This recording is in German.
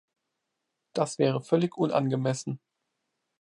Das wäre völlig unangemessen.